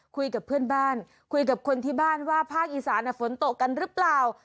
คุยกับเพื่อนบ้านคุยกับคนที่บ้านว่าภาคอีสานฝนตกกันหรือเปล่า